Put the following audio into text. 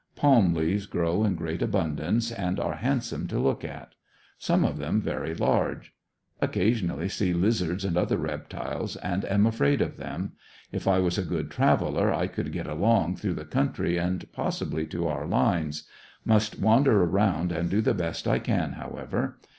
Palm leaves grow in great abundance, and are handsome to look at. Some of them very large. Occasionally see lizards and other reptiles, and am afraid of them. If I was a good traveler I could get along through the country and possibly to our lines. Must wander around and do the best I can however.